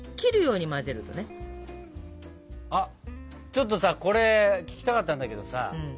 ちょっとさこれ聞きたかったんだけどさ